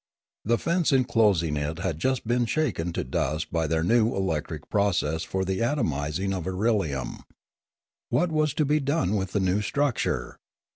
The fence enclosing it had just been shaken to dust by their new electric process for the atomising of irelium. What was to be done with the new structure?